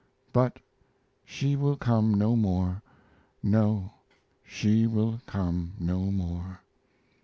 But she will come no more. No, she will come no more.